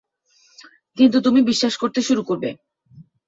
কিন্তু তুমি বিশ্বাস করতে শুরু করবে।